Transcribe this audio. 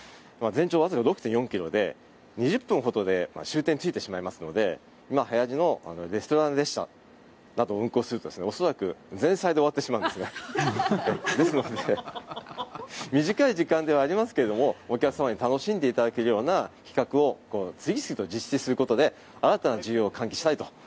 前兆わずか６．４ｋｍで２０分ほどで終点に着いてしまいますので今はやりのレストラン列車などを運行すると、恐らく前菜で終わってしまうのですがですので短い時間ではありますがお客様に楽しんでいただけるような企画を次々と実施することで新たな需要を喚起したいと。